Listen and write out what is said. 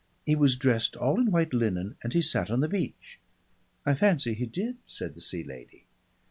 He was dressed all in white linen and he sat on the beach." "I fancy he did," said the Sea Lady.